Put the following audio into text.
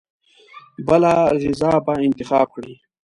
بله غذا به انتخاب کړي.